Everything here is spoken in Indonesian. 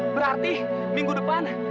berarti minggu depan